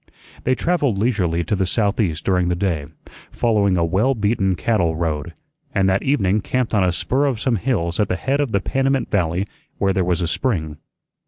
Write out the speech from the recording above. They travelled leisurely to the southeast during the day, following a well beaten cattle road, and that evening camped on a spur of some hills at the head of the Panamint Valley where there was a spring.